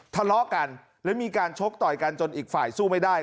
ทะเลาะกันและมีการชกต่อยกันจนอีกฝ่ายสู้ไม่ได้